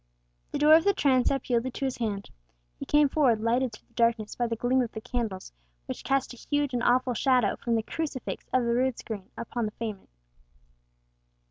The door of the transept yielded to his hand. He came forward, lighted through the darkness by the gleam of the candles, which cast a huge and awful shadow from the crucifix of the rood screen upon the pavement.